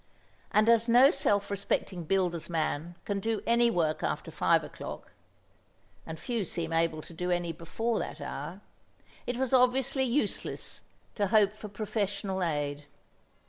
And as no self respecting builder's man can do any work after five o'clock (and few seem able to do any before that hour), it was obviously useless to hope for professional aid.